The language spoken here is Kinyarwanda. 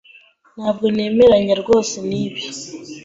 Ntabwo nemeranya rwose nibi.